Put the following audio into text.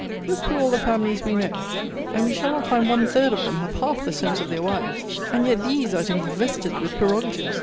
Look through all the families we know; and we shall not find one third of them have half the sense of their wives. And yet these are to be vested with prerogatives!